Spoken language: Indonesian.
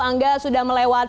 angga sudah melewati